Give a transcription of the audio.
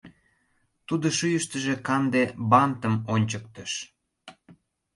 — Тудо шӱйыштыжӧ канде бантым ончыктыш.